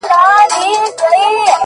ستا په تعويذ كي به خپل زړه وويني،